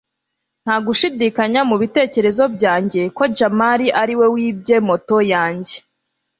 nta gushidikanya mubitekerezo byanjye ko jamali ariwe wibye moto yanjye